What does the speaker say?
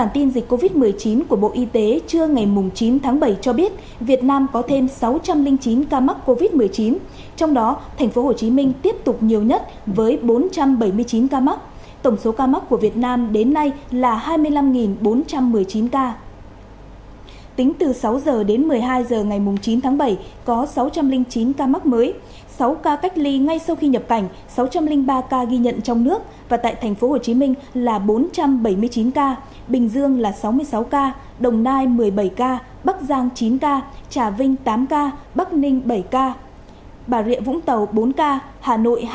tính đến một mươi hai h ngày chín tháng bảy việt nam có tổng cộng hai mươi ba năm trăm một mươi ba ca ghi nhận trong nước và một chín trăm linh sáu ca nhập cảnh